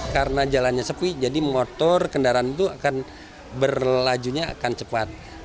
karena jalannya sepi jadi motor kendaraan itu akan berlajunya akan cepat